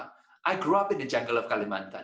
saya tumbuh di hutan kalimantan